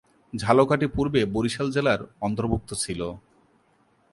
ঝালকাঠি পূর্বে বরিশাল জেলার অন্তর্ভুক্ত ছিল।